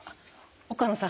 岡野さん